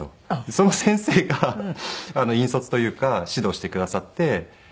その先生が引率というか指導してくださって。